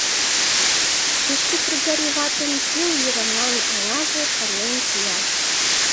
Тыште Кргори ватын пел йыраҥан аҥаже шарлен кия.